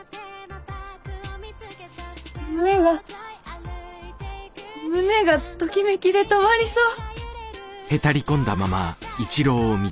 胸が胸がときめきで止まりそう！